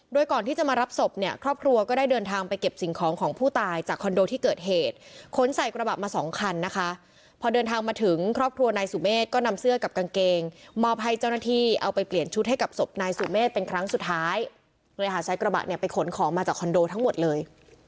โดยก่อนที่จะมารับศพเนี่ยครอบครัวก็ได้เดินทางไปเก็บสิ่งของของผู้ตายจากคอนโดที่เกิดเหตุขนใส่กระบะมาสองคันนะคะพอเดินทางมาถึงครอบครัวนายสุเมฆก็นำเสื้อกับกางเกงมอบให้เจ้าหน้าที่เอาไปเปลี่ยนชุดให้กับศพนายสุเมฆเป็นครั้งสุดท้ายเลยหาใช้กระบะเนี่ยไปขนของมาจากคอนโดทั้งหมดเลย